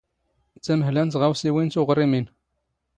ⵜⴰⵎⵀⵍⴰ ⵏ ⵜⵖⴰⵡⵙⵉⵡⵉⵏ ⵜⵓⵖⵔⵉⵎⵉⵏ.